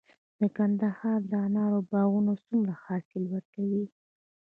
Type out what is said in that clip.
د کندهار د انارو باغونه څومره حاصل ورکوي؟